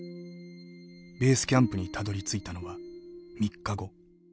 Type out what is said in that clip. ベースキャンプにたどりついたのは３日後。